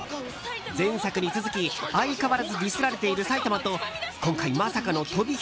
前作に続き、相変わらずディスられている埼玉と今回まさかの飛び火